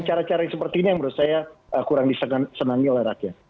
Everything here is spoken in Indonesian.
cara cara yang seperti ini yang menurut saya kurang disenangi oleh rakyat